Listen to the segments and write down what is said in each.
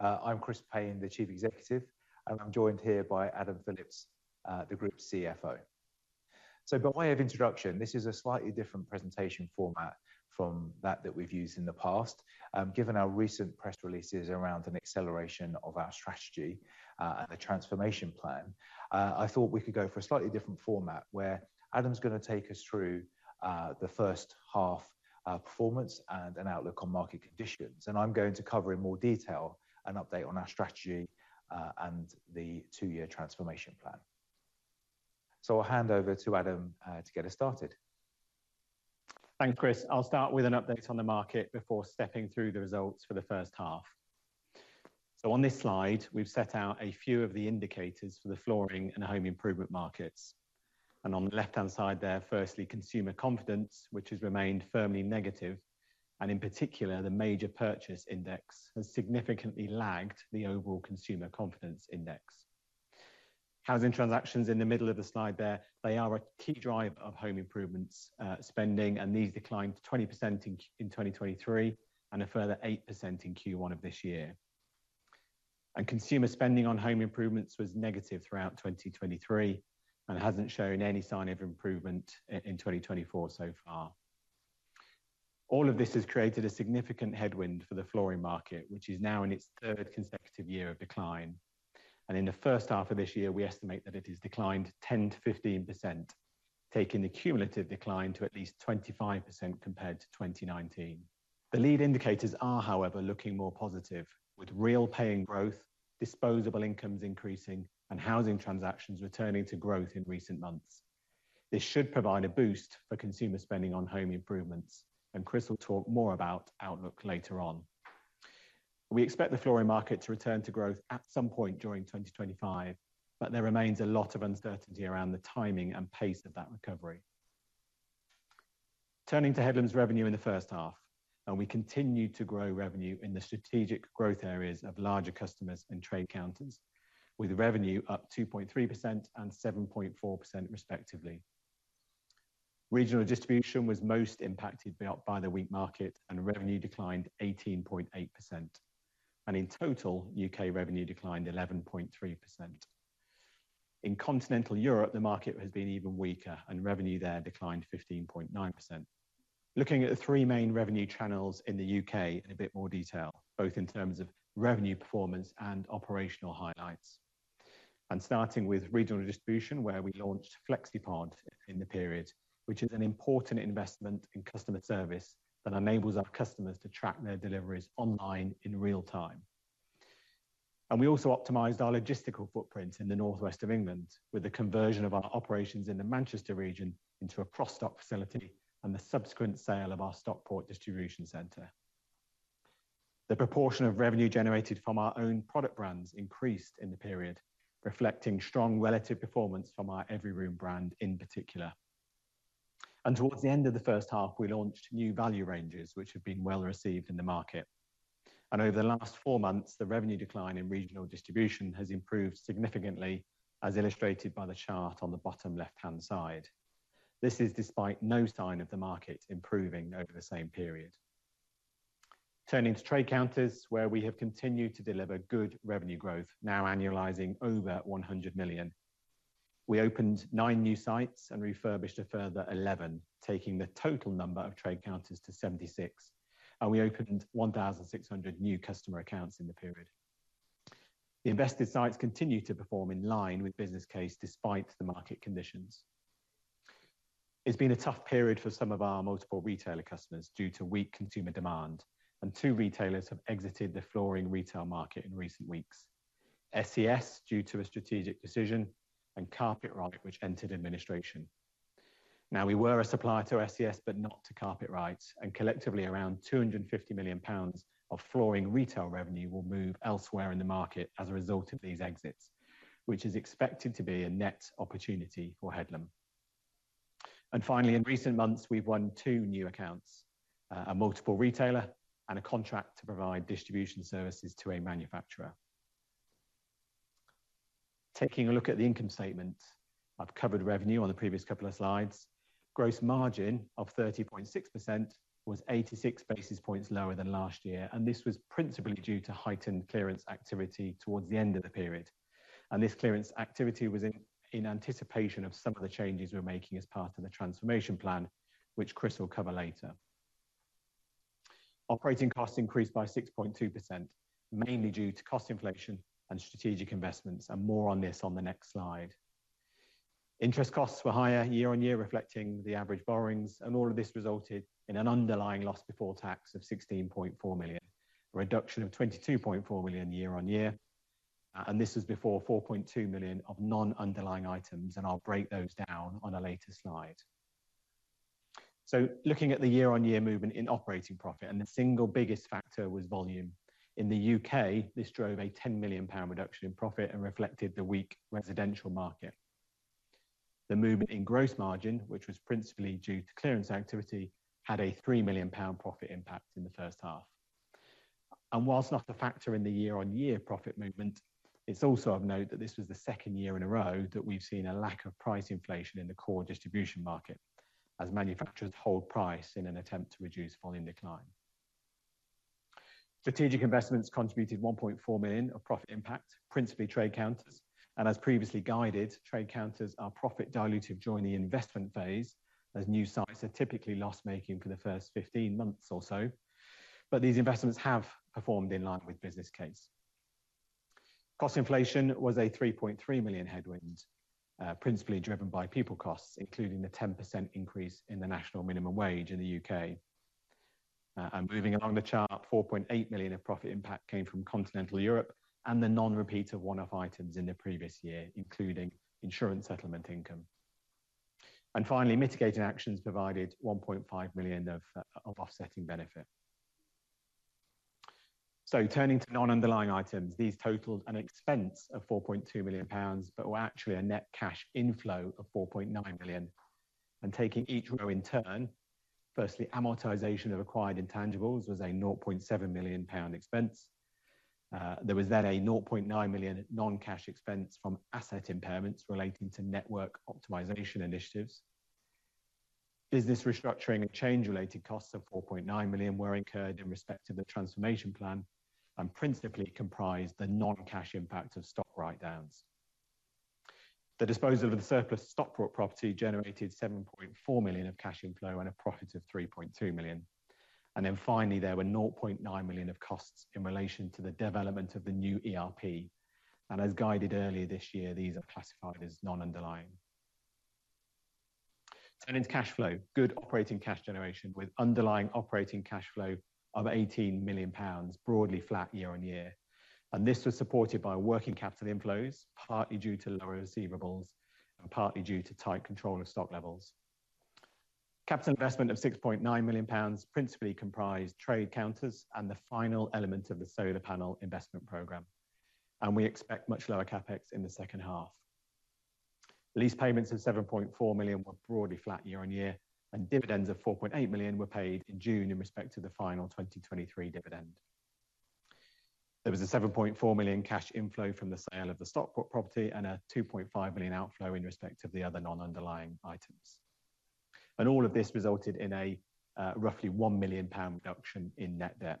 I'm Chris Payne, the Chief Executive, and I'm joined here by Adam Phillips, the Group CFO. So by way of introduction, this is a slightly different presentation format from that we've used in the past. Given our recent press releases around an acceleration of our strategy, and the transformation plan, I thought we could go for a slightly different format where Adam's gonna take us through the first half performance and an outlook on market conditions. And I'm going to cover in more detail an update on our strategy, and the two-year transformation plan. So I'll hand over to Adam to get us started. Thanks, Chris. I'll start with an update on the market before stepping through the results for the first half, so on this slide, we've set out a few of the indicators for the flooring and home improvement markets, and on the left-hand side there, firstly, consumer confidence, which has remained firmly negative, and in particular, the major purchase index has significantly lagged the overall consumer confidence index. Housing transactions in the middle of the slide there, they are a key driver of home improvements spending, and these declined 20% in 2023 and a further 8% in Q1 of this year, and consumer spending on home improvements was negative throughout 2023 and hasn't shown any sign of improvement in 2024 so far. All of this has created a significant headwind for the flooring market, which is now in its third consecutive year of decline, and in the first half of this year, we estimate that it has declined 10%-15%, taking the cumulative decline to at least 25% compared to 2019. The lead indicators are, however, looking more positive, with real wage growth, disposable incomes increasing, and housing transactions returning to growth in recent months. This should provide a boost for consumer spending on home improvements, and Chris will talk more about outlook later on. We expect the flooring market to return to growth at some point during 2025, but there remains a lot of uncertainty around the timing and pace of that recovery. Turning to Headlam's revenue in the first half, and we continued to grow revenue in the strategic growth areas of larger customers and trade counters, with revenue up 2.3% and 7.4% respectively. Regional distribution was most impacted by the weak market, and revenue declined 18.8%, and in total, UK revenue declined 11.3%. In continental Europe, the market has been even weaker, and revenue there declined 15.9%. Looking at the three main revenue channels in the U.K. in a bit more detail, both in terms of revenue performance and operational highlights. Starting with regional distribution, where we launched FlexiPod in the period, which is an important investment in customer service that enables our customers to track their deliveries online in real time. We also optimized our logistical footprint in the northwest of England with the conversion of our operations in the Manchester region into a cross-dock facility and the subsequent sale of our Stockport distribution center. The proportion of revenue generated from our own product brands increased in the period, reflecting strong relative performance from our Everyroom brand in particular. Towards the end of the first half, we launched new value ranges, which have been well-received in the market. Over the last four months, the revenue decline in regional distribution has improved significantly, as illustrated by the chart on the bottom left-hand side. This is despite no sign of the market improving over the same period. Turning to trade counters, where we have continued to deliver good revenue growth, now annualizing over 100 million. We opened nine new sites and refurbished a further 11, taking the total number of trade counters to 76, and we opened 1,600 new customer accounts in the period. The invested sites continue to perform in line with business case despite the market conditions. It's been a tough period for some of our multiple retailer customers due to weak consumer demand, and two retailers have exited the flooring retail market in recent weeks. ScS, due to a strategic decision, and Carpetright, which entered administration. Now, we were a supplier to ScS, but not to Carpetright, and collectively, around 250 million pounds of flooring retail revenue will move elsewhere in the market as a result of these exits, which is expected to be a net opportunity for Headlam. Finally, in recent months, we've won two new accounts, a multiple retailer and a contract to provide distribution services to a manufacturer. Taking a look at the income statement, I've covered revenue on the previous couple of slides. Gross margin of 30.6% was 86 basis points lower than last year, and this was principally due to heightened clearance activity towards the end of the period. This clearance activity was in anticipation of some of the changes we're making as part of the transformation plan, which Chris will cover later. Operating costs increased by 6.2%, mainly due to cost inflation and strategic investments, and more on this on the next slide. Interest costs were higher year on year, reflecting the average borrowings, and all of this resulted in an underlying loss before tax of 16.4 million, a reduction of 22.4 million year on year, and this was before 4.2 million of non-underlying items, and I'll break those down on a later slide. Looking at the year-on-year movement in operating profit, the single biggest factor was volume. In the U.K., this drove a 10 million pound reduction in profit and reflected the weak residential market. The movement in gross margin, which was principally due to clearance activity, had a 3 million pound profit impact in the first half. While not a factor in the year-on-year profit movement, it's also of note that this was the second year in a row that we've seen a lack of price inflation in the core distribution market, as manufacturers hold price in an attempt to reduce volume decline. Strategic investments contributed 1.4 million of profit impact, principally trade counters, and as previously guided, trade counters are profit dilutive during the investment phase, as new sites are typically loss-making for the first 15 months or so. But these investments have performed in line with business case. Cost inflation was a 3.3 million headwind, principally driven by people costs, including the 10% increase in the national minimum wage in the U.K. And moving along the chart, 4.8 million of profit impact came from continental Europe and the non-repeat of one-off items in the previous year, including insurance settlement income. And finally, mitigating actions provided 1.5 million of offsetting benefit. So turning to non-underlying items, these totaled an expense of 4.2 million pounds, but were actually a net cash inflow of 4.9 million. And taking each row in turn, firstly, amortization of acquired intangibles was a 0.7 million pound expense. There was then a 0.9 million non-cash expense from asset impairments relating to network optimization initiatives. Business restructuring and change-related costs of 4.9 million were incurred in respect of the transformation plan and principally comprised the non-cash impact of stock write-downs. The disposal of the surplus Stockport property generated 7.4 million of cash inflow and a profit of 3.2 million, and then finally, there were 0.9 million of costs in relation to the development of the new ERP. And as guided earlier this year, these are classified as non-underlying. Turning to cash flow, good operating cash generation with underlying operating cash flow of 18 million pounds, broadly flat year-on-year, and this was supported by working capital inflows, partly due to lower receivables and partly due to tight control of stock levels. Capital investment of 6.9 million pounds principally comprised trade counters and the final element of the solar panel investment program, and we expect much lower CapEx in the second half. Lease payments of 7.4 million were broadly flat year on year, and dividends of 4.8 million were paid in June in respect to the final 2023 dividend. There was a 7.4 million cash inflow from the sale of the Stockport property and a 2.5 million outflow in respect of the other non-underlying items. All of this resulted in a roughly 1 million pound reduction in net debt.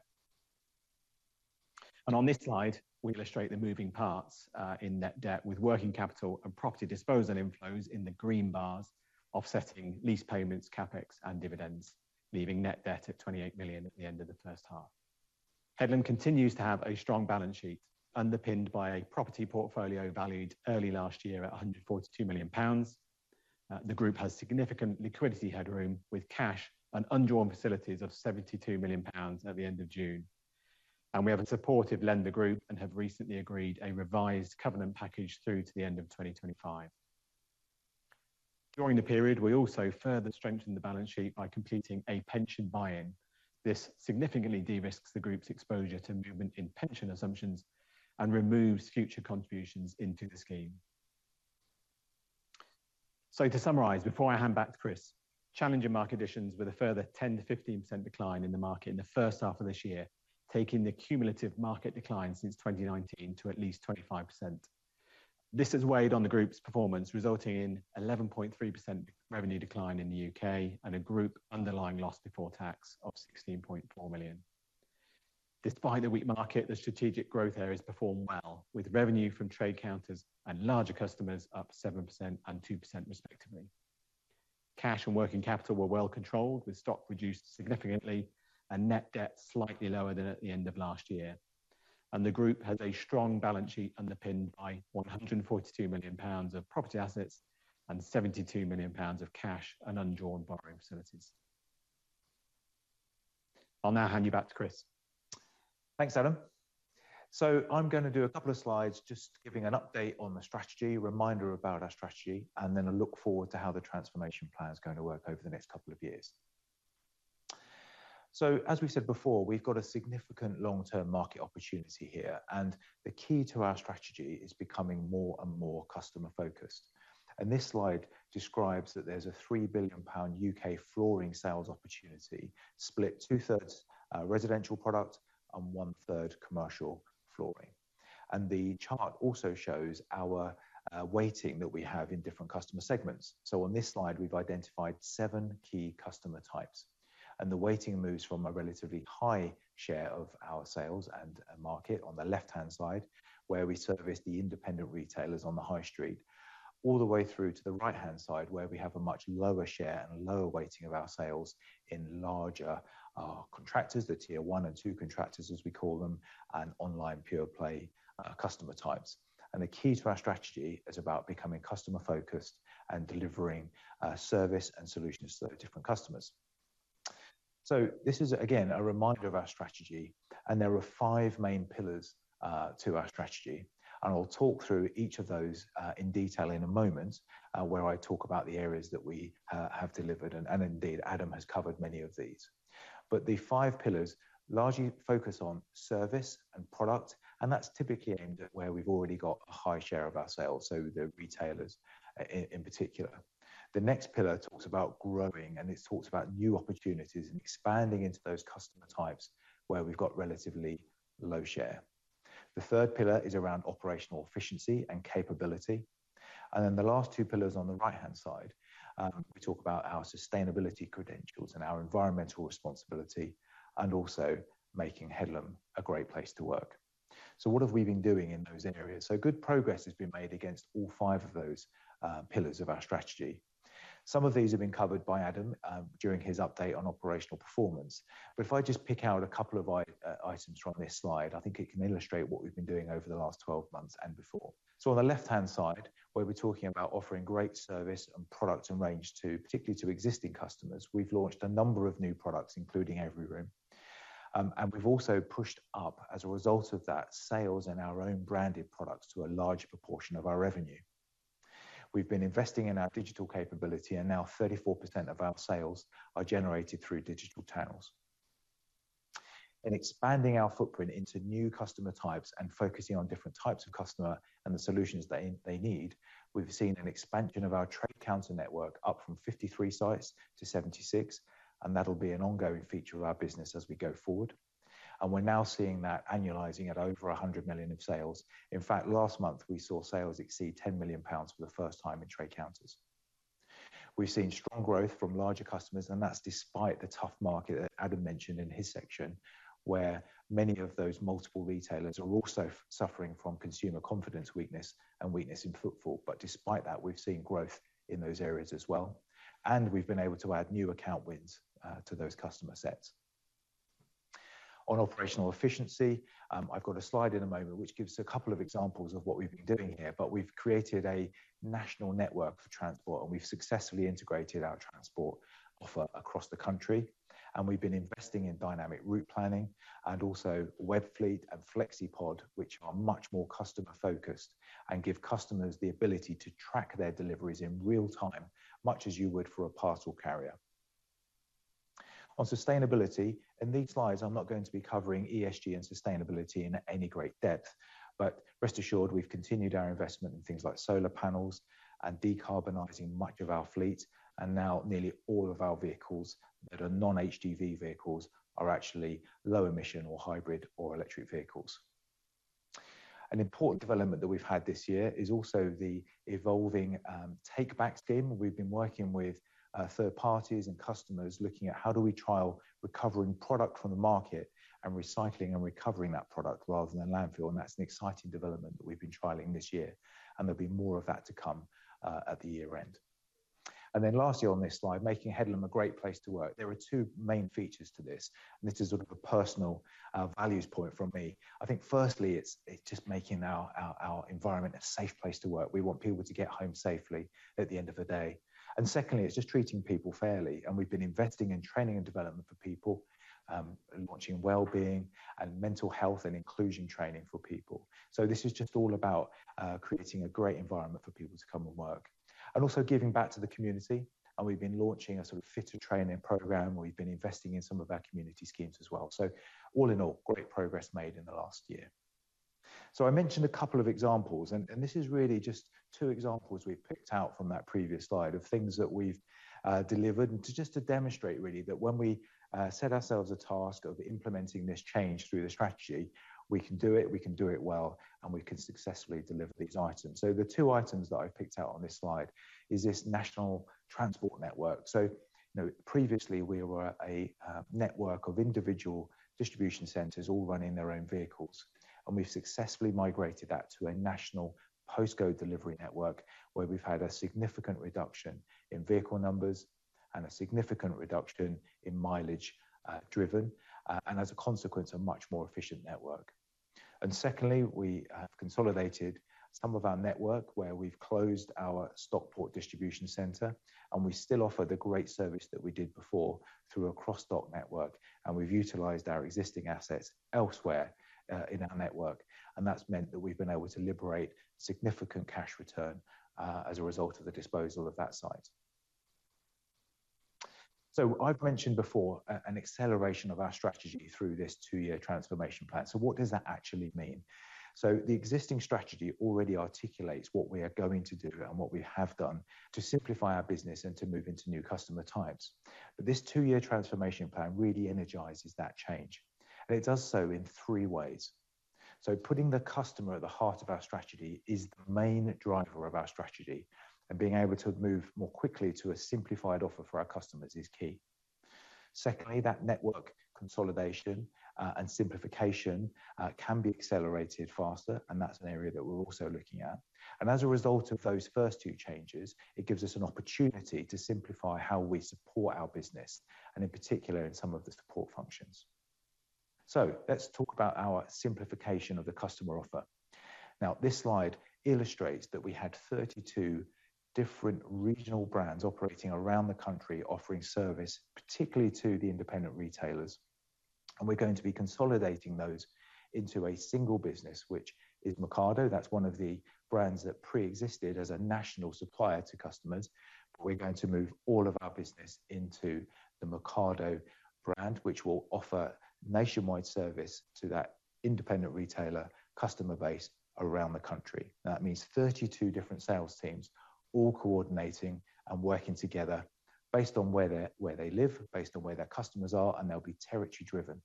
On this slide, we illustrate the moving parts in net debt, with working capital and property disposal inflows in the green bars, offsetting lease payments, CapEx, and dividends, leaving net debt at 28 million at the end of the first half. Headlam continues to have a strong balance sheet, underpinned by a property portfolio valued early last year at 142 million pounds. The group has significant liquidity headroom, with cash and undrawn facilities of 72 million pounds at the end of June. And we have a supportive lender group and have recently agreed a revised covenant package through to the end of 2025. During the period, we also further strengthened the balance sheet by completing a pension buy-in. This significantly de-risks the group's exposure to movement in pension assumptions and removes future contributions into the scheme. So to summarize, before I hand back to Chris, challenging market conditions, with a further 10%-15% decline in the market in the first half of this year, taking the cumulative market decline since 2019 to at least 25%. This has weighed on the group's performance, resulting in 11.3% revenue decline in the U.K. and a group underlying loss before tax of 16.4 million. Despite the weak market, the strategic growth areas performed well, with revenue from trade counters and larger customers up 7% and 2% respectively. Cash and working capital were well controlled, with stock reduced significantly and net debt slightly lower than at the end of last year. The group has a strong balance sheet underpinned by 142 million pounds of property assets and 72 million pounds of cash and undrawn borrowing facilities. I'll now hand you back to Chris. Thanks, Adam. So I'm going to do a couple of slides, just giving an update on the strategy, reminder about our strategy, and then a look forward to how the transformation plan is going to work over the next couple of years. So as we said before, we've got a significant long-term market opportunity here, and the key to our strategy is becoming more and more customer-focused. And this slide describes that there's a 3 billion pound UK flooring sales opportunity, split two-thirds residential product and one-third commercial flooring. And the chart also shows our weighting that we have in different customer segments. So on this slide, we've identified seven key customer types, and the weighting moves from a relatively high share of our sales and market on the left-hand side, where we service the independent retailers on the high street, all the way through to the right-hand side, where we have a much lower share and lower weighting of our sales in larger contractors, the Tier One and Two contractors, as we call them, and online pure play customer types. And the key to our strategy is about becoming customer focused and delivering service and solutions to the different customers. So this is, again, a reminder of our strategy, and there are five main pillars to our strategy, and I'll talk through each of those in detail in a moment, where I talk about the areas that we have delivered, and indeed Adam has covered many of these. But the five pillars largely focus on service and product, and that's typically aimed at where we've already got a high share of our sales, so the retailers in particular. The next pillar talks about growing, and this talks about new opportunities and expanding into those customer types where we've got relatively low share. The third pillar is around operational efficiency and capability. And then the last two pillars on the right-hand side, we talk about our sustainability credentials and our environmental responsibility, and also making Headlam a great place to work. So what have we been doing in those areas? So good progress has been made against all five of those pillars of our strategy. Some of these have been covered by Adam during his update on operational performance. But if I just pick out a couple of items from this slide, I think it can illustrate what we've been doing over the last twelve months and before. So on the left-hand side, where we're talking about offering great service and product and range to, particularly to existing customers, we've launched a number of new products, including Everyroom. And we've also pushed up, as a result of that, sales and our own branded products to a large proportion of our revenue. We've been investing in our digital capability, and now 34% of our sales are generated through digital channels. In expanding our footprint into new customer types and focusing on different types of customer and the solutions they need, we've seen an expansion of our trade counter network up from 53 sites to 76, and that'll be an ongoing feature of our business as we go forward. We're now seeing that annualizing at over 100 million of sales. In fact, last month, we saw sales exceed 10 million pounds for the first time in trade counters. We've seen strong growth from larger customers, and that's despite the tough market that Adam mentioned in his section, where many of those multiple retailers are also suffering from consumer confidence weakness and weakness in footfall. Despite that, we've seen growth in those areas as well, and we've been able to add new account wins to those customer sets. On operational efficiency, I've got a slide in a moment, which gives a couple of examples of what we've been doing here, but we've created a national network for transport, and we've successfully integrated our transport offer across the country, and we've been investing in dynamic route planning and also Webfleet and FlexiPod, which are much more customer-focused and give customers the ability to track their deliveries in real time, much as you would for a parcel carrier. On sustainability, in these slides, I'm not going to be covering ESG and sustainability in any great depth, but rest assured, we've continued our investment in things like solar panels and decarbonizing much of our fleet, and now nearly all of our vehicles that are non-HGV vehicles are actually low emission or hybrid or electric vehicles. An important development that we've had this year is also the evolving take-back scheme. We've been working with third parties and customers, looking at how do we trial recovering product from the market and recycling and recovering that product rather than landfill, and that's an exciting development that we've been trialing this year, and there'll be more of that to come at the year end. And then lastly, on this slide, making Headlam a great place to work. There are two main features to this, and this is sort of a personal values point from me. I think firstly, it's just making our environment a safe place to work. We want people to get home safely at the end of the day. And secondly, it's just treating people fairly, and we've been investing in training and development for people and launching well-being and mental health and inclusion training for people. So this is just all about creating a great environment for people to come and work. And also giving back to the community, and we've been launching a sort of fitter training program, where we've been investing in some of our community schemes as well. So all in all, great progress made in the last year. So I mentioned a couple of examples, and this is really just two examples we've picked out from that previous slide of things that we've delivered, and just to demonstrate really that when we set ourselves a task of implementing this change through the strategy, we can do it, we can do it well, and we can successfully deliver these items. So the two items that I've picked out on this slide is this national transport network. You know, previously, we were a network of individual distribution centers all running their own vehicles, and we've successfully migrated that to a national postcode delivery network, where we've had a significant reduction in vehicle numbers and a significant reduction in mileage driven, and as a consequence, a much more efficient network. Secondly, we have consolidated some of our network, where we've closed our Stockport distribution center, and we still offer the great service that we did before through a cross-dock network, and we've utilized our existing assets elsewhere in our network, and that's meant that we've been able to liberate significant cash return as a result of the disposal of that site. I've mentioned before an acceleration of our strategy through this two-year transformation plan. What does that actually mean? The existing strategy already articulates what we are going to do and what we have done to simplify our business and to move into new customer types. But this two-year transformation plan really energizes that change, and it does so in three ways. Putting the customer at the heart of our strategy is the main driver of our strategy, and being able to move more quickly to a simplified offer for our customers is key. Secondly, that network consolidation and simplification can be accelerated faster, and that's an area that we're also looking at. As a result of those first two changes, it gives us an opportunity to simplify how we support our business, and in particular, in some of the support functions. Let's talk about our simplification of the customer offer. Now, this slide illustrates that we had 32 different regional brands operating around the country, offering service, particularly to the independent retailers, and we're going to be consolidating those into a single business, which is Mercado. That's one of the brands that preexisted as a national supplier to customers. We're going to move all of our business into the Mercado brand, which will offer nationwide service to that independent retailer customer base around the country. That means 32 different sales teams all coordinating and working together based on where they're, where they live, based on where their customers are, and they'll be territory-driven.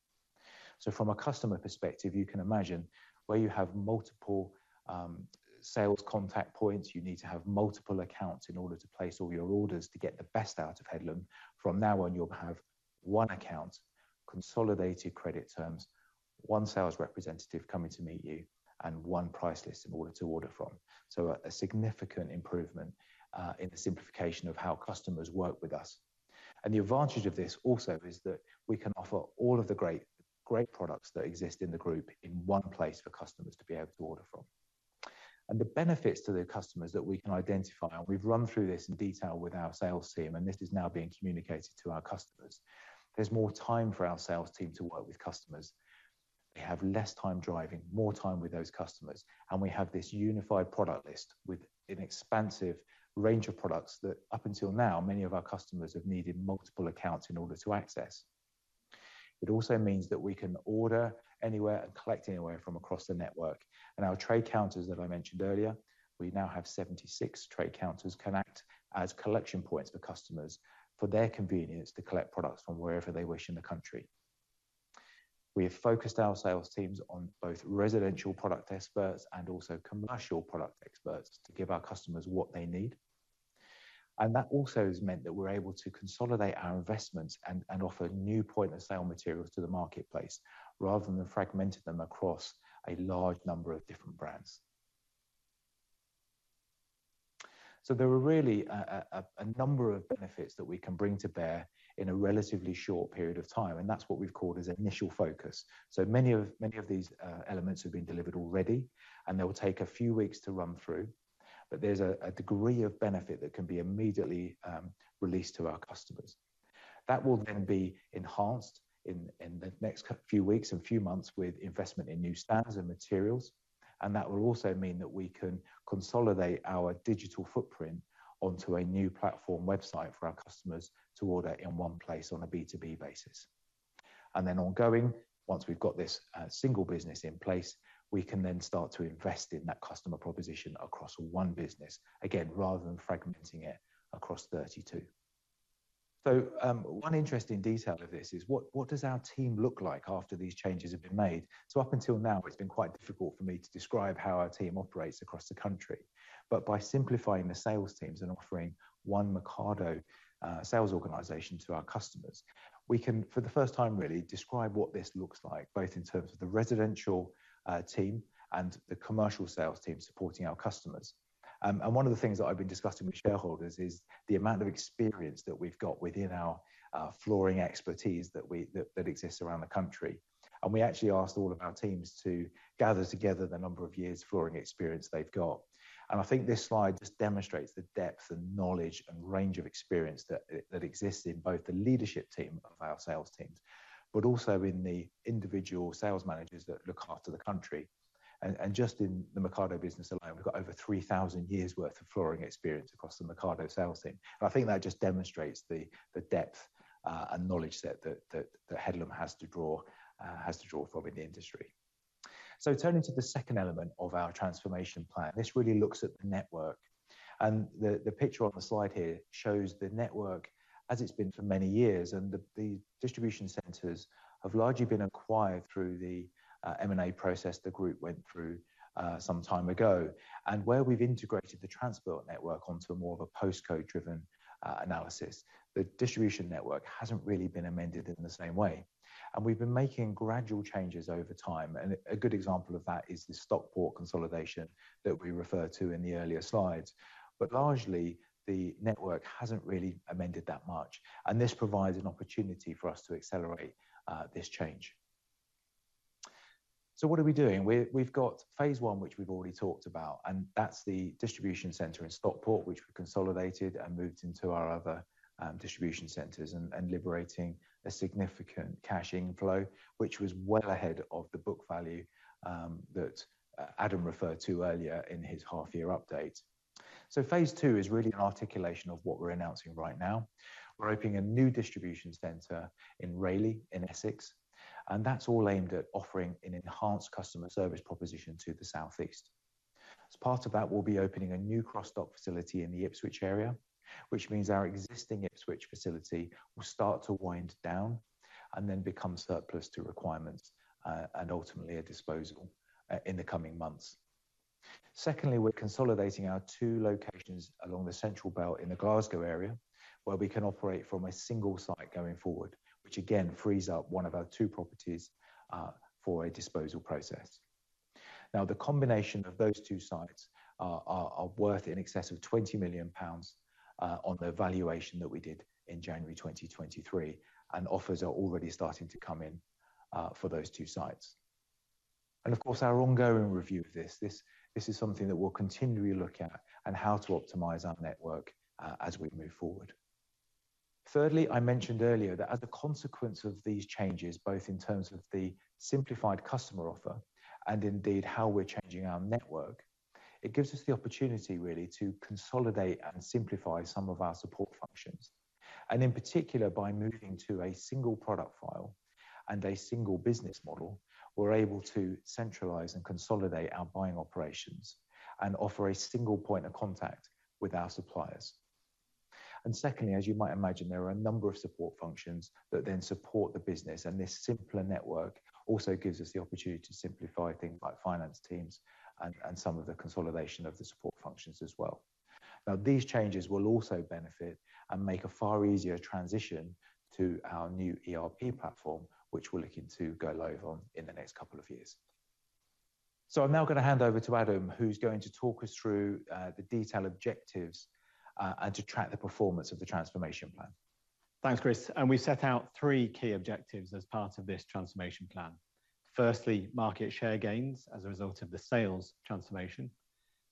So from a customer perspective, you can imagine where you have multiple sales contact points, you need to have multiple accounts in order to place all your orders to get the best out of Headlam. From now on, you'll have one account, consolidated credit terms, one sales representative coming to meet you, and one price list in order to order from. So, a significant improvement in the simplification of how customers work with us. And the advantage of this also is that we can offer all of the great, great products that exist in the group in one place for customers to be able to order from. And the benefits to the customers that we can identify, and we've run through this in detail with our sales team, and this is now being communicated to our customers. There's more time for our sales team to work with customers. They have less time driving, more time with those customers, and we have this unified product list with an expansive range of products that, up until now, many of our customers have needed multiple accounts in order to access. It also means that we can order anywhere and collect anywhere from across the network, and our trade counters that I mentioned earlier, we now have 76 trade counters can act as collection points for customers, for their convenience to collect products from wherever they wish in the country. We have focused our sales teams on both residential product experts and also commercial product experts to give our customers what they need, and that also has meant that we're able to consolidate our investments and offer new point-of-sale materials to the marketplace, rather than fragmenting them across a large number of different brands. So there are really a number of benefits that we can bring to bear in a relatively short period of time, and that's what we've called as initial focus. So many of these elements have been delivered already, and they will take a few weeks to run through, but there's a degree of benefit that can be immediately released to our customers. That will then be enhanced in the next few weeks and few months with investment in new standards and materials, and that will also mean that we can consolidate our digital footprint onto a new platform website for our customers to order in one place on a B2B basis. And then ongoing, once we've got this single business in place, we can then start to invest in that customer proposition across one business, again, rather than fragmenting it across 32. So, one interesting detail of this is what does our team look like after these changes have been made? So up until now, it's been quite difficult for me to describe how our team operates across the country. But by simplifying the sales teams and offering one Mercado sales organization to our customers, we can, for the first time, really, describe what this looks like, both in terms of the residential team and the commercial sales team supporting our customers. And one of the things that I've been discussing with shareholders is the amount of experience that we've got within our flooring expertise that exists around the country. And we actually asked all of our teams to gather together the number of years' flooring experience they've got. And I think this slide just demonstrates the depth and knowledge and range of experience that that exists in both the leadership team of our sales teams, but also in the individual sales managers that look after the country. And, and just in the Mercado business alone, we've got over 3,000 years' worth of flooring experience across the Mercado sales team. And I think that just demonstrates the, the depth, and knowledge set that, that Headlam has to draw, has to draw from in the industry. So turning to the second element of our transformation plan, this really looks at the network, and the picture on the slide here shows the network as it's been for many years, and the distribution centers have largely been acquired through the M&A process the group went through some time ago, and where we've integrated the transport network onto more of a postcode-driven analysis, the distribution network hasn't really been amended in the same way, and we've been making gradual changes over time, and a good example of that is the Stockport consolidation that we referred to in the earlier slides, but largely, the network hasn't really amended that much, and this provides an opportunity for us to accelerate this change, so what are we doing? We've got phase one, which we've already talked about, and that's the distribution center in Stockport, which we consolidated and moved into our other distribution centers and liberating a significant cash inflow, which was well ahead of the book value that Adam referred to earlier in his half-year update. Phase two is really an articulation of what we're announcing right now. We're opening a new distribution center in Rayleigh, in Essex, and that's all aimed at offering an enhanced customer service proposition to the Southeast. As part of that, we'll be opening a new cross-dock facility in the Ipswich area, which means our existing Ipswich facility will start to wind down and then become surplus to requirements and ultimately at disposal in the coming months. Secondly, we're consolidating our two locations along the central belt in the Glasgow area, where we can operate from a single site going forward, which again frees up one of our two properties for a disposal process. Now, the combination of those two sites are worth in excess of 20 million pounds on the valuation that we did in January 2023, and offers are already starting to come in for those two sites, and of course, our ongoing review of this is something that we'll continually look at and how to optimize our network as we move forward. Thirdly, I mentioned earlier that as a consequence of these changes, both in terms of the simplified customer offer and indeed how we're changing our network, it gives us the opportunity, really, to consolidate and simplify some of our support functions, and in particular, by moving to a single product file and a single business model, we're able to centralize and consolidate our buying operations and offer a single point of contact with our suppliers, and secondly, as you might imagine, there are a number of support functions that then support the business, and this simpler network also gives us the opportunity to simplify things like finance teams and some of the consolidation of the support functions as well. Now, these changes will also benefit and make a far easier transition to our new ERP platform, which we're looking to go live on in the next couple of years. I'm now going to hand over to Adam, who's going to talk us through the detailed objectives and to track the performance of the transformation plan. Thanks, Chris, and we set out three key objectives as part of this transformation plan. Firstly, market share gains as a result of the sales transformation.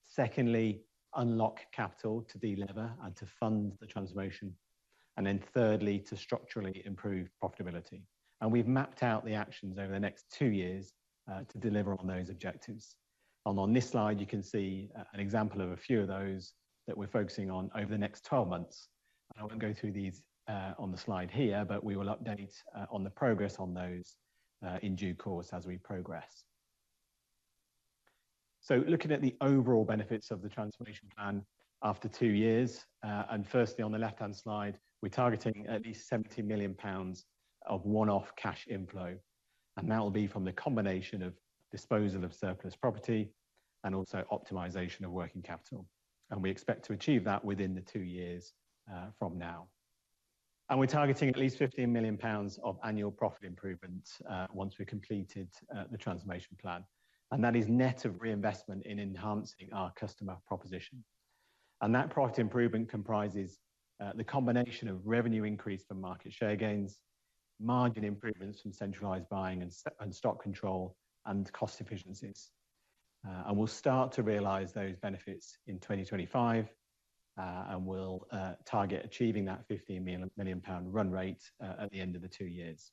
Secondly, unlock capital to deliver and to fund the transformation. And then thirdly, to structurally improve profitability. And we've mapped out the actions over the next two years, to deliver on those objectives. And on this slide, you can see, an example of a few of those that we're focusing on over the next 12 months. I won't go through these, on the slide here, but we will update, on the progress on those, in due course as we progress. So looking at the overall benefits of the transformation plan after two years, and firstly, on the left-hand side, we're targeting at least 70 million pounds of one-off cash inflow, and that will be from the combination of disposal of surplus property and also optimization of working capital, and we expect to achieve that within the two years from now. We're targeting at least 15 million pounds of annual profit improvement once we've completed the transformation plan, and that is net of reinvestment in enhancing our customer proposition. That profit improvement comprises the combination of revenue increase from market share gains, margin improvements from centralized buying and stock control, and cost efficiencies. And we'll start to realize those benefits in 2025, and we'll target achieving that 15 million pound- run rate at the end of the two years.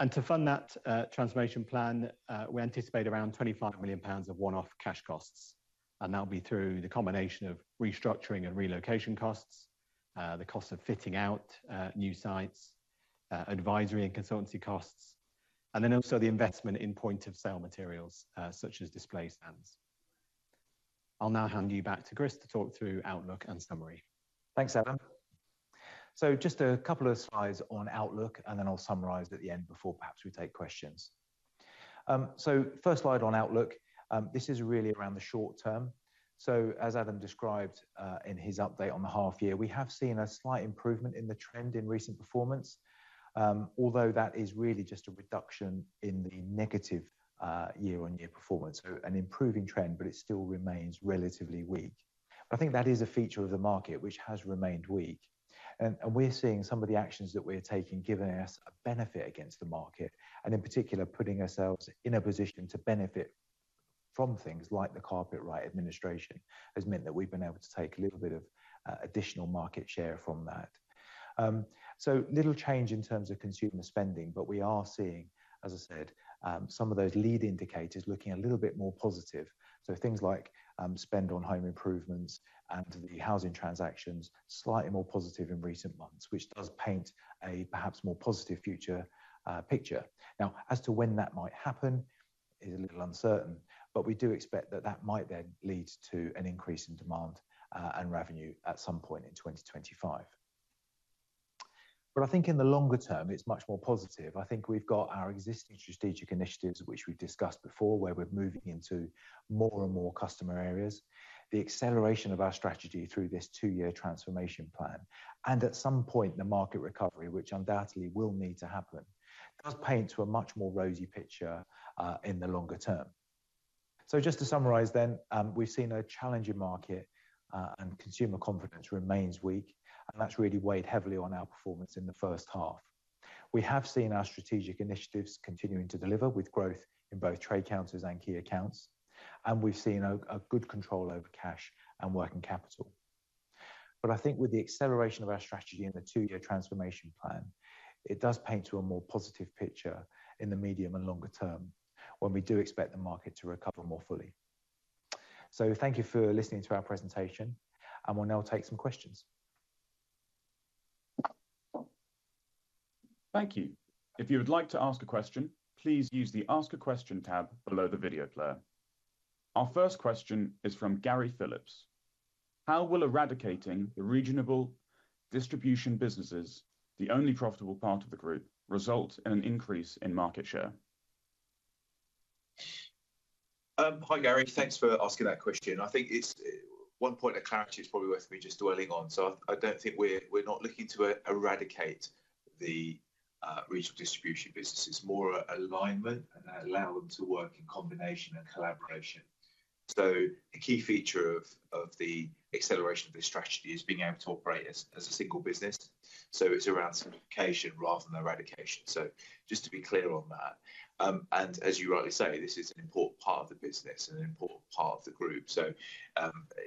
And to fund that transformation plan, we anticipate around 25 million pounds of one-off cash costs, and that'll be through the combination of restructuring and relocation costs, the cost of fitting out new sites, advisory and consultancy costs, and then also the investment in point-of-sale materials, such as display stands. I'll now hand you back to Chris to talk through outlook and summary. Thanks, Adam. So just a couple of slides on outlook, and then I'll summarize at the end before perhaps we take questions. So first slide on outlook, this is really around the short term. So as Adam described, in his update on the half year, we have seen a slight improvement in the trend in recent performance, although that is really just a reduction in the negative, year-on-year performance. So an improving trend, but it still remains relatively weak. I think that is a feature of the market, which has remained weak, and we're seeing some of the actions that we're taking, giving us a benefit against the market, and in particular, putting ourselves in a position to benefit from things like the Carpetright administration has meant that we've been able to take a little bit of, additional market share from that. So little change in terms of consumer spending, but we are seeing, as I said, some of those lead indicators looking a little bit more positive. So things like, spend on home improvements and the housing transactions, slightly more positive in recent months, which does paint a perhaps more positive future, picture. Now, as to when that might happen is a little uncertain, but we do expect that that might then lead to an increase in demand, and revenue at some point in 2025. But I think in the longer term, it's much more positive. I think we've got our existing strategic initiatives, which we've discussed before, where we're moving into more and more customer areas, the acceleration of our strategy through this two-year transformation plan, and at some point, the market recovery, which undoubtedly will need to happen, paints a much more rosy picture in the longer term, so just to summarize then, we've seen a challenging market, and consumer confidence remains weak, and that's really weighed heavily on our performance in the first half. We have seen our strategic initiatives continuing to deliver, with growth in both trade counters and key accounts, and we've seen a good control over cash and working capital. But I think with the acceleration of our strategy and the two-year transformation plan, it does paint a more positive picture in the medium and longer term when we do expect the market to recover more fully. So thank you for listening to our presentation, and we'll now take some questions. Thank you. If you would like to ask a question, please use the Ask a Question tab below the video player. Our first question is from Gary Phillips. How will eradicating the regional distribution businesses, the only profitable part of the group, result in an increase in market share? Hi, Gary. Thanks for asking that question. I think it's one point of clarity it's probably worth me just dwelling on. I don't think we're looking to eradicate the regional distribution business. It's more an alignment and allow them to work in combination and collaboration. The key feature of the acceleration of this strategy is being able to operate as a single business, so it's around simplification rather than eradication. Just to be clear on that, and as you rightly say, this is an important part of the business and an important part of the group.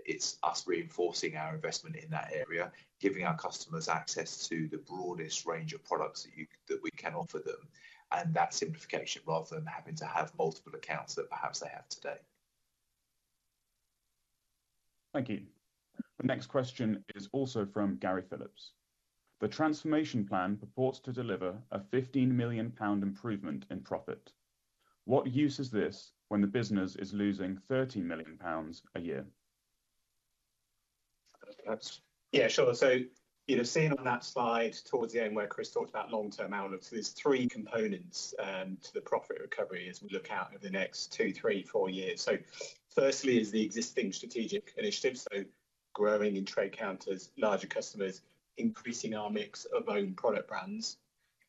It's us reinforcing our investment in that area, giving our customers access to the broadest range of products that we can offer them, and that simplification, rather than having to have multiple accounts that perhaps they have today. ... Thank you. The next question is also from Gary Phillips: The transformation plan purports to deliver a 15 million pound improvement in profit. What use is this when the business is losing 30 million pounds a year? Yeah, sure. So you know, seeing on that slide towards the end, where Chris talked about long-term outlook, there's three components to the profit recovery as we look out over the next two, three, four years. Firstly is the existing strategic initiatives, so growing in trade counters, larger customers, increasing our mix of own product brands.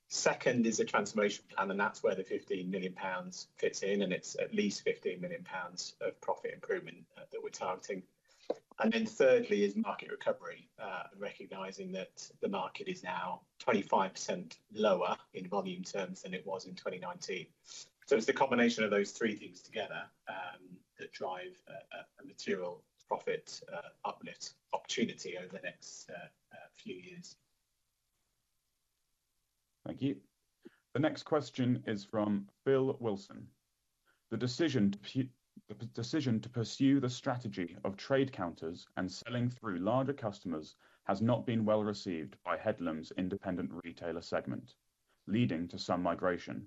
Second is the transformation plan, and that's where the 15 million pounds fits in, and it's at least 15 million pounds of profit improvement that we're targeting. And then thirdly is market recovery, recognizing that the market is now 25% lower in volume terms than it was in 2019. So it's the combination of those three things together that drive a material profit uplift opportunity over the next few years. Thank you. The next question is from Phil Wilson: The decision to pursue the strategy of trade counters and selling through larger customers has not been well received by Headlam's independent retailer segment, leading to some migration.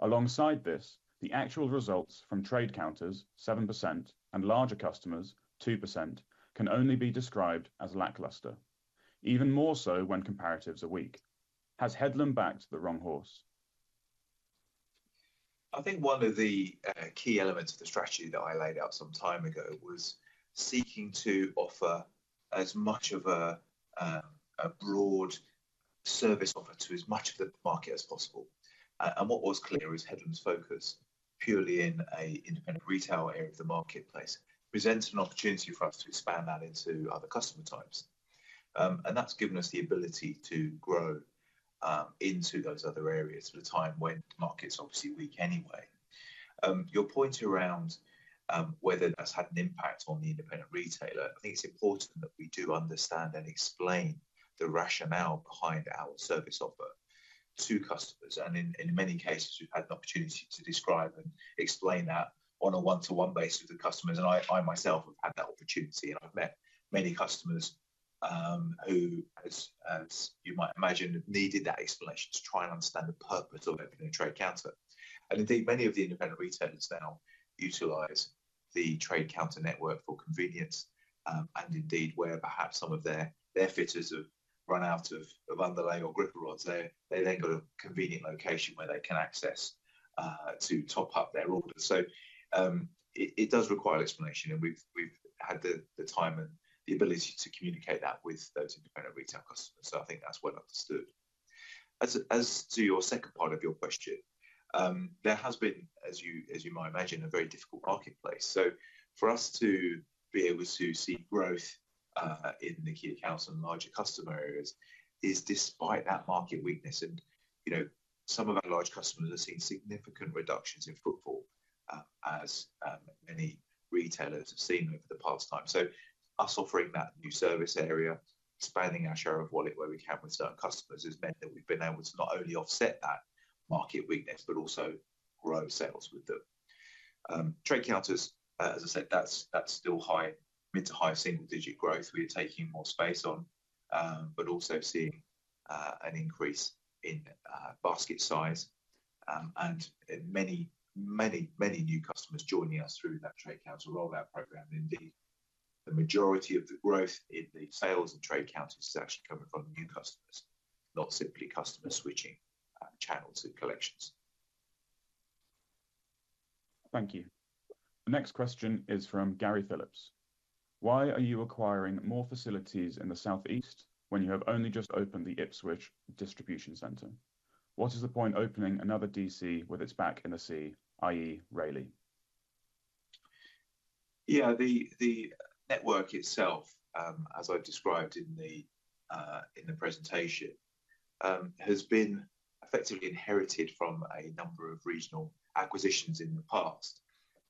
Alongside this, the actual results from trade counters, 7%, and larger customers, 2%, can only be described as lackluster, even more so when comparatives are weak. Has Headlam backed the wrong horse? I think one of the key elements of the strategy that I laid out some time ago was seeking to offer as much of a broad service offer to as much of the market as possible. What was clear is Headlam's focus purely in an independent retailer area of the marketplace presents an opportunity for us to expand that into other customer types, and that's given us the ability to grow into those other areas at a time when the market's obviously weak anyway. Your point around whether that's had an impact on the independent retailer, I think it's important that we do understand and explain the rationale behind our service offer to customers, and in many cases, we've had an opportunity to describe and explain that on a one-to-one basis with the customers. And I myself have had that opportunity, and I've met many customers who, as you might imagine, needed that explanation to try and understand the purpose of opening a trade counter. And indeed, many of the independent retailers now utilize the trade counter network for convenience, and indeed, where perhaps some of their fitters have run out of underlay or gripper rods, they then got a convenient location where they can access to top up their orders. So, it does require explanation, and we've had the time and the ability to communicate that with those independent retail customers, so I think that's well understood. As to your second part of your question, there has been, as you might imagine, a very difficult marketplace. So for us to be able to see growth in the key accounts and larger customer areas is despite that market weakness and, you know, some of our large customers have seen significant reductions in footfall, as many retailers have seen over the past time. So us offering that new service area, expanding our share of wallet where we can with certain customers, has meant that we've been able to not only offset that market weakness but also grow sales with them. Trade counters, as I said, that's still high, mid to high single digit growth. We are taking more space on, but also seeing an increase in basket size, and many, many, many new customers joining us through that trade counter rollout program. Indeed, the majority of the growth in the sales and trade counter is actually coming from new customers, not simply customers switching, channels and collections. Thank you. The next question is from Gary Phillips: Why are you acquiring more facilities in the Southeast when you have only just opened the Ipswich Distribution Center? What is the point opening another DC with its back in the sea, i.e., Rayleigh? Yeah, the network itself, as I described in the presentation, has been effectively inherited from a number of regional acquisitions in the past,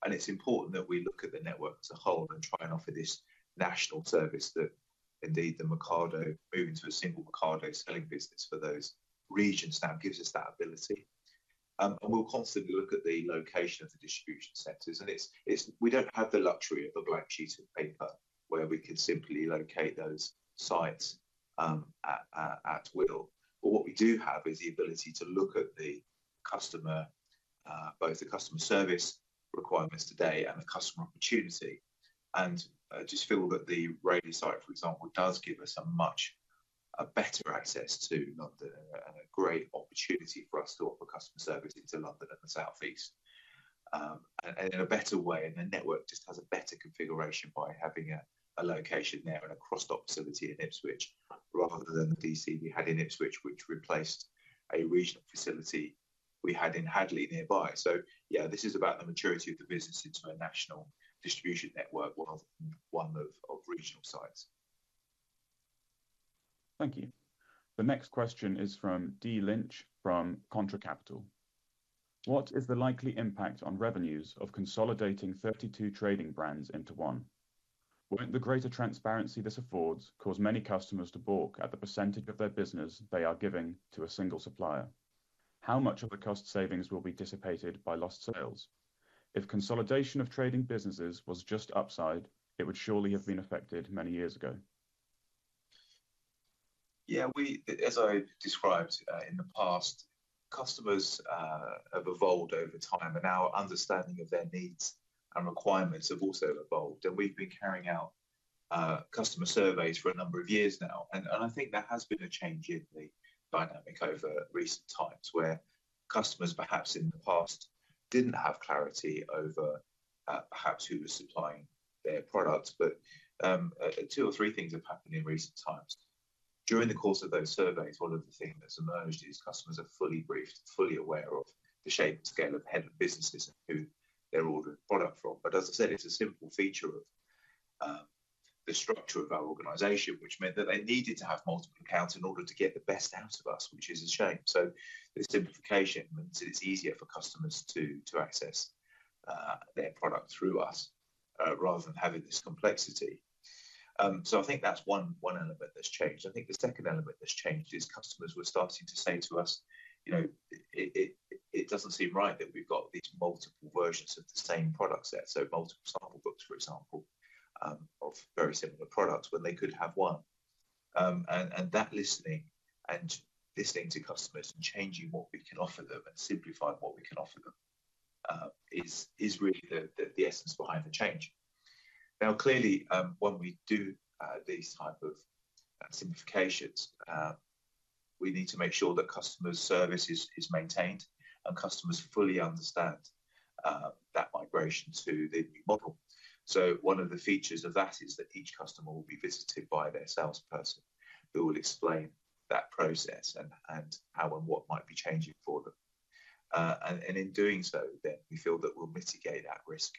and it's important that we look at the network as a whole and try and offer this national service that indeed the Mercado, moving to a single Mercado selling business for those regions now gives us that ability. And we'll constantly look at the location of the distribution centers, and it's we don't have the luxury of a blank sheet of paper where we can simply locate those sites, at will. But what we do have is the ability to look at the customer, both the customer service requirements today and the customer opportunity, and just feel that the Rayleigh site, for example, does give us a much better access to London and a great opportunity for us to offer customer service into London and the Southeast, and in a better way, and the network just has a better configuration by having a location there and a cross-dock facility in Ipswich, rather than the DC we had in Ipswich, which replaced a regional facility we had in Hadleigh nearby. So yeah, this is about the maturity of the business into a national distribution network rather than one of regional sites. Thank you. The next question is from D. Lynch, from Contra Capital: What is the likely impact on revenues of consolidating thirty-two trading brands into one? Won't the greater transparency this affords cause many customers to balk at the percentage of their business they are giving to a single supplier? How much of the cost savings will be dissipated by lost sales? If consolidation of trading businesses was just upside, it would surely have been effected many years ago. Yeah, we, as I described, in the past, customers have evolved over time, and our understanding of their needs and requirements have also evolved. And we've been carrying out customer surveys for a number of years now, and I think there has been a change in the dynamic over recent times, where customers, perhaps in the past, didn't have clarity over, perhaps who was supplying their product. But two or three things have happened in recent times. During the course of those surveys, one of the things that's emerged is customers are fully briefed, fully aware of the shape and scale of Headlam businesses and who they're ordering product from. But as I said, it's a simple feature of the structure of our organization, which meant that they needed to have multiple accounts in order to get the best out of us, which is a shame. So the simplification means it's easier for customers to access their product through us rather than having this complexity. So I think that's one element that's changed. I think the second element that's changed is customers were starting to say to us, "You know, it doesn't seem right that we've got these multiple versions of the same product set," so multiple sample books, for example, of very similar products, when they could have one. That listening to customers and changing what we can offer them and simplifying what we can offer them is really the essence behind the change. Now, clearly, when we do these type of simplifications, we need to make sure that customer service is maintained and customers fully understand that migration to the new model. So one of the features of that is that each customer will be visited by their salesperson, who will explain that process and how and what might be changing for them. In doing so, then we feel that we'll mitigate that risk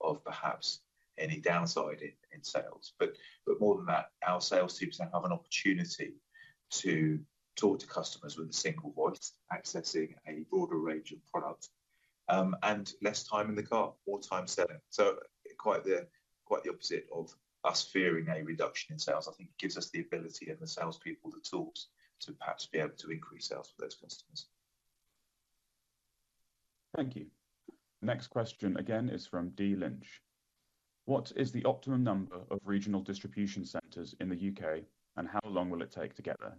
of perhaps any downside in sales. But more than that, our sales teams then have an opportunity to talk to customers with a single voice, accessing a broader range of product, and less time in the car, more time selling. So quite the opposite of us fearing a reduction in sales. I think it gives us the ability and the salespeople the tools to perhaps be able to increase sales for those customers. Thank you. Next question again is from D. Lynch: What is the optimum number of regional distribution centers in the UK, and how long will it take to get there?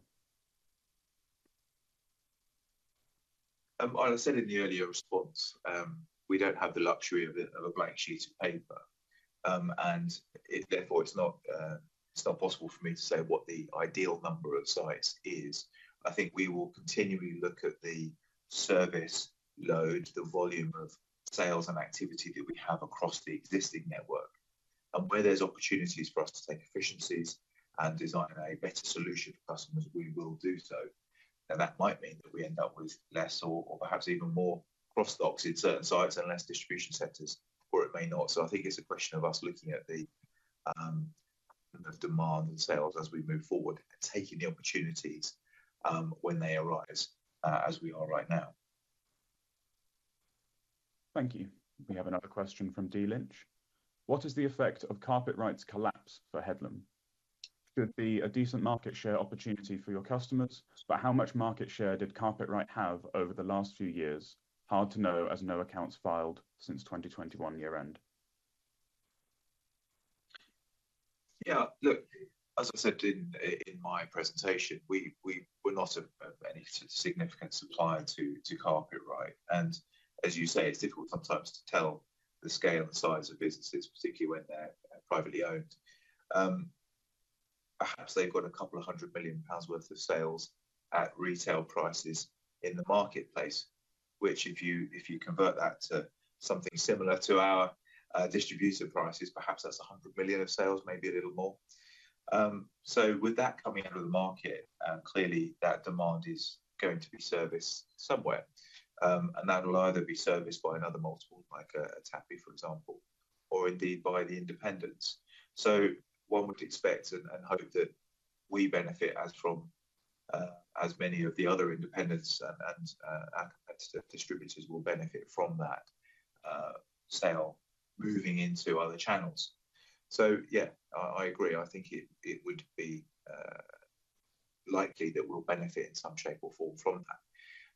As I said in the earlier response, we don't have the luxury of a blank sheet of paper. And it therefore, it's not possible for me to say what the ideal number of sites is. I think we will continually look at the service load, the volume of sales and activity that we have across the existing network, and where there's opportunities for us to make efficiencies and design a better solution for customers, we will do so. And that might mean that we end up with less or perhaps even more cross-docks in certain sites and less distribution centers, or it may not. So I think it's a question of us looking at the demand and sales as we move forward and taking the opportunities when they arise, as we are right now. Thank you. We have another question from D. Lynch: What is the effect of Carpetright's collapse for Headlam? Could be a decent market share opportunity for your customers, but how much market share did Carpetright have over the last few years? Hard to know, as no accounts filed since 2021 year-end. Yeah, look, as I said in my presentation, we were not any significant supplier to Carpetright. And as you say, it's difficult sometimes to tell the scale and the size of businesses, particularly when they're privately owned. Perhaps they've got a couple of hundred million GBP worth of sales at retail prices in the marketplace, which if you convert that to something similar to our distributor prices, perhaps that's 100 million of sales, maybe a little more. So with that coming out of the market, clearly that demand is going to be serviced somewhere. And that'll either be serviced by another multiple, like a Tapi, for example, or indeed by the independents. So one would expect and hope that we benefit as from as many of the other independents and our competitive distributors will benefit from that sale moving into other channels. Yeah, I agree. I think it would be likely that we'll benefit in some shape or form from that.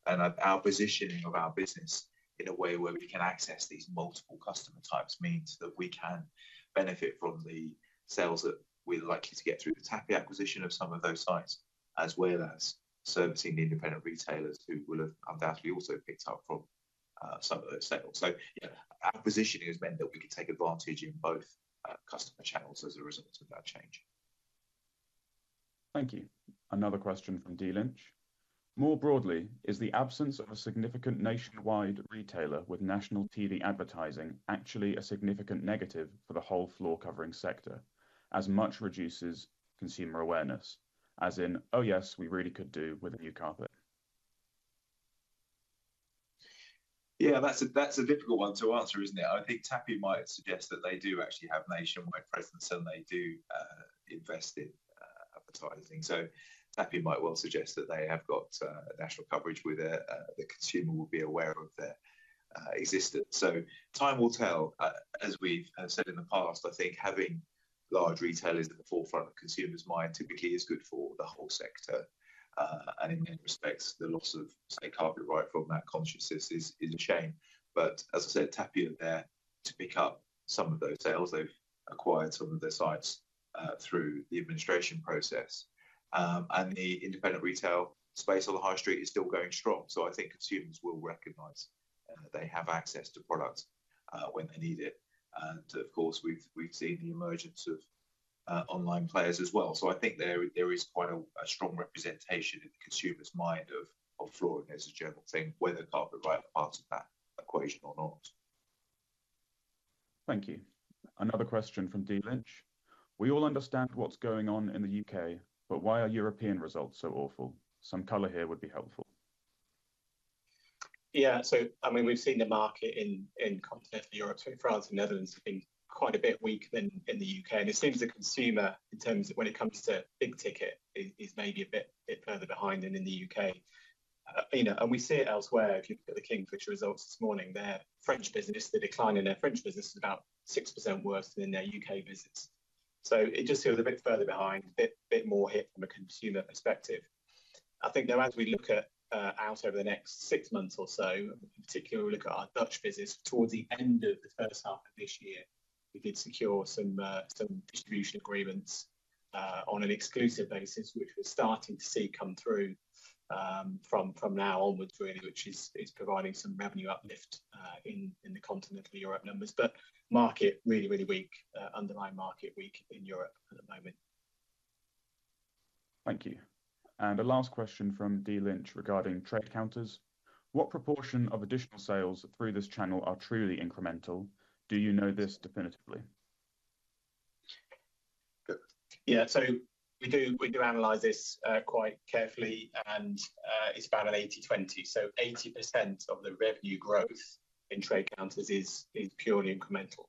And our positioning of our business in a way where we can access these multiple customer types means that we can benefit from the sales that we're likely to get through the Tapi acquisition of some of those sites, as well as servicing the independent retailers who will have undoubtedly also picked up from some of those sales. Yeah, our positioning has meant that we can take advantage in both customer channels as a result of that change. Thank you. Another question from D. Lynch: More broadly, is the absence of a significant nationwide retailer with national TV advertising actually a significant negative for the whole floor covering sector, as much reduces consumer awareness, as in, "Oh yes, we really could do with a new carpet? Yeah, that's a difficult one to answer, isn't it? I think Tapi might suggest that they do actually have nationwide presence, and they do invest in advertising. So Tapi might well suggest that they have got national coverage where the consumer will be aware of their existence. So time will tell. As we've said in the past, I think having large retailers at the forefront of consumer's mind typically is good for the whole sector. And in many respects, the loss of, say, Carpetright from that consciousness is a shame. But as I said, Tapi are there to pick up some of those sales. They've acquired some of their sites through the administration process. And the independent retail space on the high street is still going strong, so I think consumers will recognize that they have access to products when they need it. And of course, we've seen the emergence of online players as well. So I think there is quite a strong representation in the consumer's mind of flooring as a general thing, whether Carpetright are part of that equation or not. Thank you. Another question from D. Lynch: We all understand what's going on in the U.K., but why are European results so awful? Some color here would be helpful. Yeah. So I mean, we've seen the market in continental Europe, so in France and the Netherlands, have been quite a bit weaker than in the U.K. And it seems the consumer, in terms of when it comes to big ticket, is maybe a bit further behind than in the U.K. You know, and we see it elsewhere. If you look at the Kingfisher results this morning, their French business, the decline in their French business is about 6% worse than their U.K. business. So it just feels a bit further behind, a bit more hit from a consumer perspective. I think, though, as we look at out over the next six months or so, particularly we look at our Dutch business towards the end of the first half of this year, we did secure some distribution agreements on an exclusive basis, which we're starting to see come through from now onwards, really, which is providing some revenue uplift in the continental Europe numbers. But market really, really weak, underlying market weak in Europe at the moment. Thank you. And the last question from D. Lynch regarding trade counters: What proportion of additional sales through this channel are truly incremental? Do you know this definitively? Yeah. So we do, we do analyze this quite carefully, and it's about an 80/20. So 80% of the revenue growth in trade counters is purely incremental.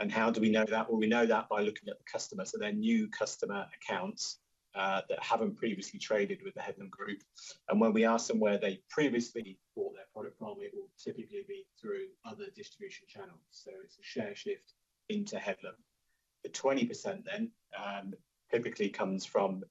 And how do we know that? Well, we know that by looking at the customer, so their new customer accounts that haven't previously traded with the Headlam Group. And when we ask them where they previously bought their product from, it will typically be through other distribution channels. So it's a share shift into Headlam. The 20% then typically comes from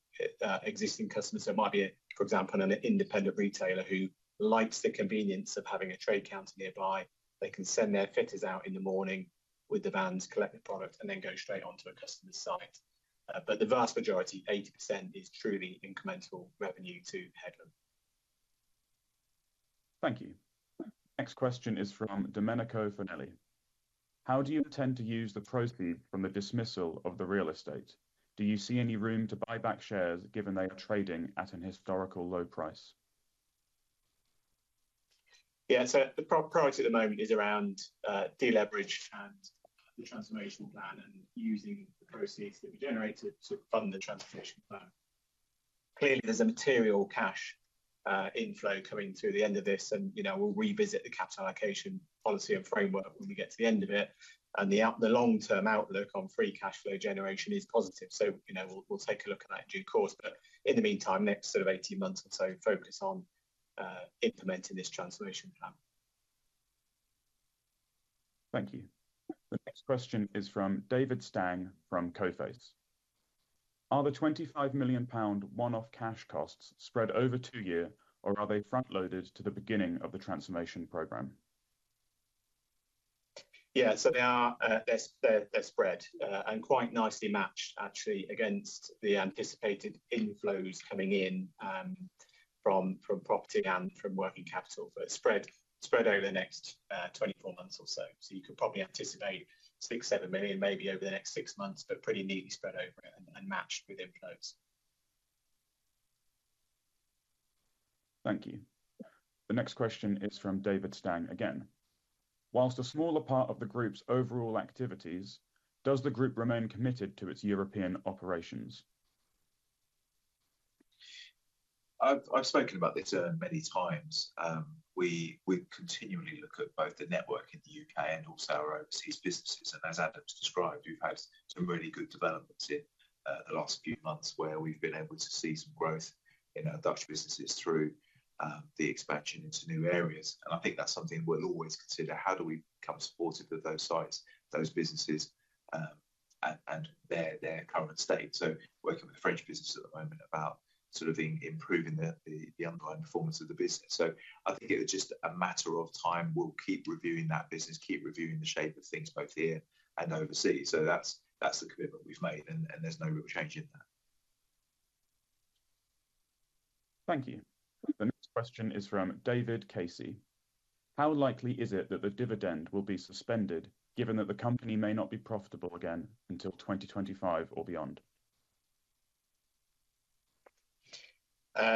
existing customers. So it might be, for example, an independent retailer who likes the convenience of having a trade counter nearby. They can send their fitters out in the morning with the vans, collect the product, and then go straight onto a customer's site. But the vast majority, 80%, is truly incremental revenue to Headlam. Thank you. Next question is from Domenico Fanelli: How do you intend to use the proceeds from the disposal of the real estate? Do you see any room to buy back shares, given they are trading at a historical low price? Yeah, so the priority at the moment is around de-leverage and the transformation plan and using the proceeds that we generate to fund the transformation plan. Clearly, there's a material cash inflow coming through the end of this, and, you know, we'll revisit the capital allocation policy and framework when we get to the end of it. And the long-term outlook on free cash flow generation is positive. So, you know, we'll take a look at that in due course, but in the meantime, the next sort of eighteen months or so, focus on implementing this transformation plan. Thank you. The next question is from David Stang, from Coface: Are the 25 million pound one-off cash costs spread over two years, or are they front-loaded to the beginning of the transformation program? Yeah. So they are. They're spread and quite nicely matched actually against the anticipated inflows coming in from property and from working capital. But spread over the next 24 months or so. So you could probably anticipate 6-7 million, maybe over the next six months, but pretty neatly spread over and matched with inflows. Thank you. The next question is from David Stang again: While a smaller part of the group's overall activities, does the group remain committed to its European operations? I've spoken about this many times. We continually look at both the network in the UK and also our overseas businesses, and as Adam's described, we've had some really good developments in the last few months where we've been able to see some growth in our Dutch businesses through the expansion into new areas. And I think that's something we'll always consider, how do we become supportive of those sites, those businesses, and their current state? So working with the French business at the moment about sort of improving the underlying performance of the business. So I think it was just a matter of time. We'll keep reviewing that business, keep reviewing the shape of things both here and overseas. So that's the commitment we've made, and there's no real change in that. Thank you. The next question is from David Casey: How likely is it that the dividend will be suspended, given that the company may not be profitable again until twenty twenty-five or beyond?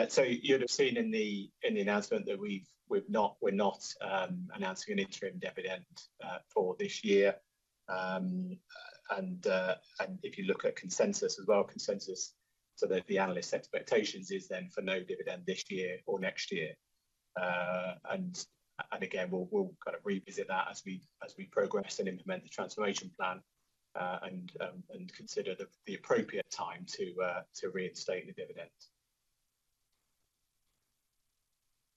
So you'd have seen in the announcement that we're not announcing an interim dividend for this year. And if you look at consensus as well, so the analyst expectations is then for no dividend this year or next year. And again, we'll kind of revisit that as we progress and implement the transformation plan, and consider the appropriate time to reinstate the dividend.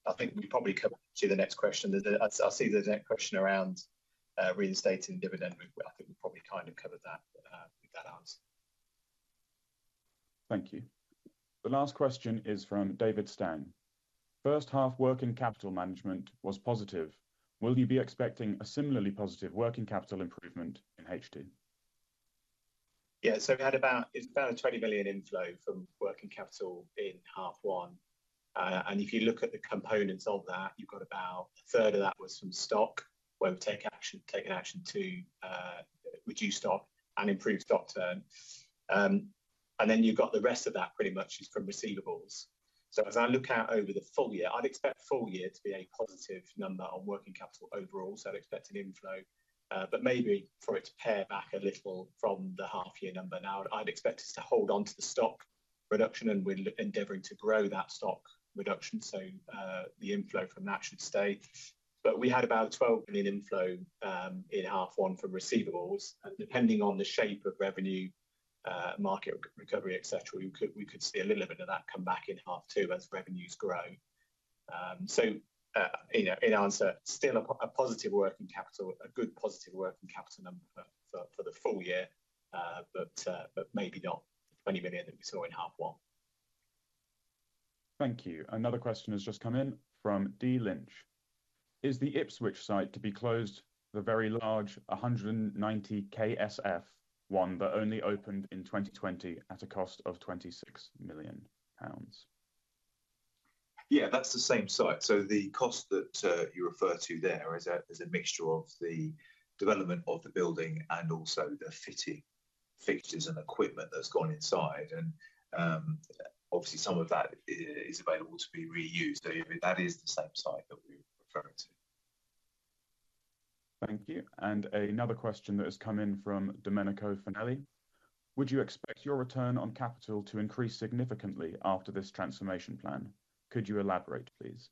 I think we probably come to the next question. I see the next question around reinstating dividend, but I think we probably kind of covered that with that answer. Thank you. The last question is from David Stang: First half working capital management was positive. Will you be expecting a similarly positive working capital improvement in HD? Yeah, so we had about, it's about a 20 million inflow from working capital in half one. And if you look at the components of that, you've got about a third of that was from stock, where we taken action to reduce stock and improve stock turn. And then you've got the rest of that pretty much is from receivables. So as I look out over the full year, I'd expect full year to be a positive number on working capital overall. So I'd expect an inflow, but maybe for it to pare back a little from the half year number. Now, I'd expect us to hold on to the stock reduction, and we're endeavoring to grow that stock reduction, so the inflow from that should stay. But we had about 12 million inflow in half one from receivables, and depending on the shape of revenue, market recovery, et cetera, we could see a little bit of that come back in half two as revenues grow. So, you know, in answer, still a positive working capital, a good positive working capital number for the full year, but maybe not the 20 million that we saw in half one. Thank you. Another question has just come in from D. Lynch: Is the Ipswich site to be closed, the very large 190 KSF one that only opened in 2020 at a cost of 26 million pounds? Yeah, that's the same site. So the cost that you refer to there is a mixture of the development of the building and also the fitting, fixtures, and equipment that's gone inside. And, obviously, some of that is available to be reused. So yeah, that is the same site that we're referring to. Thank you. And another question that has come in from Domenico Fanelli: Would you expect your return on capital to increase significantly after this transformation plan? Could you elaborate, please?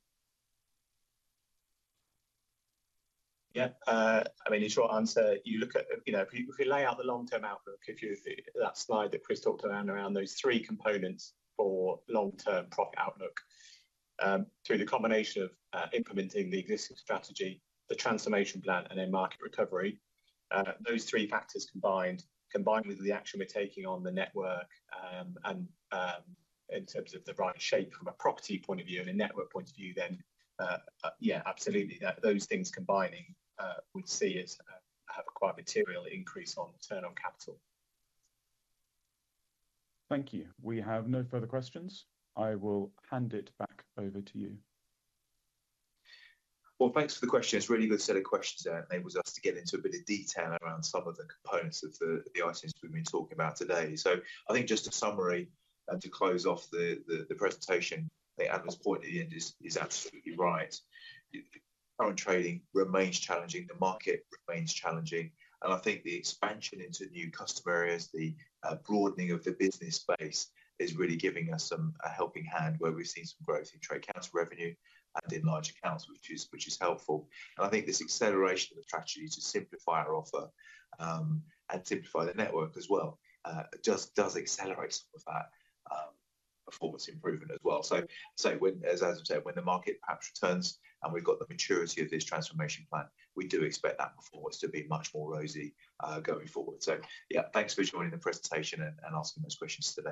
Yeah, I mean, in short answer, you look at, you know, if you lay out the long-term outlook, that slide that Chris talked around those three components for long-term profit outlook, through the combination of implementing the existing strategy, the transformation plan, and then market recovery, those three factors combined with the action we're taking on the network, and in terms of the right shape from a property point of view and a network point of view, then yeah, absolutely. Those things combining, we'd see it have a quite material increase on return on capital. Thank you. We have no further questions. I will hand it back over to you. Thanks for the questions, really good set of questions there. It enables us to get into a bit of detail around some of the components of the items we've been talking about today. I think just a summary to close off the presentation, the analyst point at the end is absolutely right. The current trading remains challenging, the market remains challenging, and I think the expansion into new customer areas, the broadening of the business base, is really giving us some a helping hand, where we've seen some growth in trade accounts revenue and in large accounts, which is helpful. I think this acceleration of the strategy to simplify our offer and simplify the network as well just does accelerate some of that performance improvement as well. So when... As I said, when the market perhaps returns and we've got the maturity of this transformation plan, we do expect that performance to be much more rosy, going forward. So yeah, thanks for joining the presentation and asking those questions today.